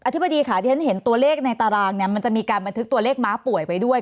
ธิบดีค่ะที่ฉันเห็นตัวเลขในตารางเนี่ยมันจะมีการบันทึกตัวเลขม้าป่วยไปด้วย